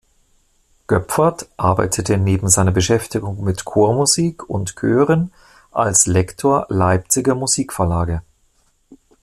Göpfert arbeitete neben seiner Beschäftigung mit Chormusik und Chören als Lektor Leipziger Musikverlage.